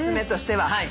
はい。